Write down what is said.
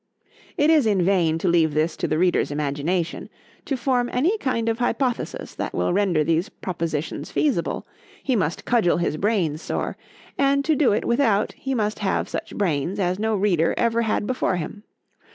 It is in vain to leave this to the Reader's imagination:——to form any kind of hypothesis that will render these propositions feasible, he must cudgel his brains sore,—and to do it without,—he must have such brains as no reader ever had before him.